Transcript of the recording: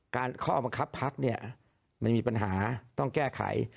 ข้อบังคับพักเนี่ยมันมีปัญหาต้องแก้ไข